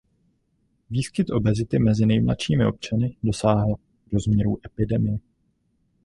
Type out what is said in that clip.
Výskyt obezity mezi nejmladšími občany dosáhl rozměrů epidemie.